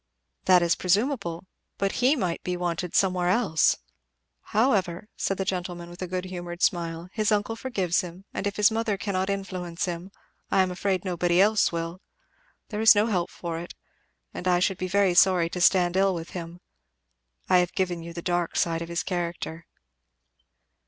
"That is presumable. But he might be wanted somewhere else. However," said the gentleman with a good humoured smile, "his uncle forgives him; and if his mother cannot influence him, I am afraid nobody else will. There is no help for it. And I should be very sorry to stand ill with him. I have given you the dark side of his character."